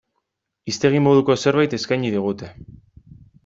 Hiztegi moduko zerbait eskaini digute.